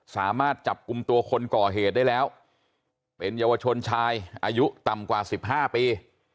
สามารถจับกลุ่มตัวคนก่อเหตุได้แล้วเป็นเยาวชนชายอายุต่ำกว่า๑๕ปี